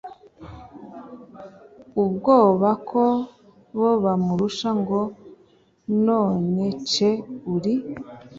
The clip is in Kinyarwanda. ubwoba ko bo bamurusha ngo nonece uri